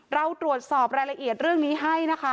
เราตรวจสอบรายละเอียดเรื่องนี้ให้นะคะ